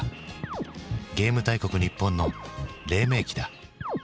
ゲーム大国日本の黎明期だ。